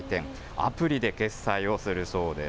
アプリで決済をするそうです。